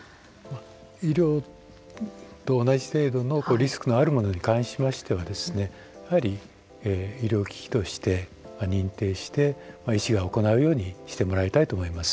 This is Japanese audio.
医療と同じ程度のリスクのあるものに関しましてはやはり医療機器として認定して医師が行うようにしてもらいたいと思います。